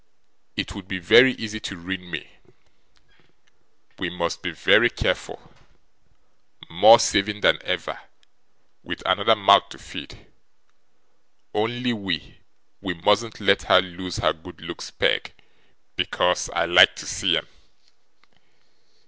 It would be very easy to ruin me; we must be very careful; more saving than ever, with another mouth to feed. Only we we mustn't let her lose her good looks, Peg, because I like to see 'em.